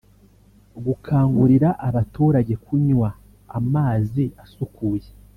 gukangurira abaturage kunywa amazi asukuye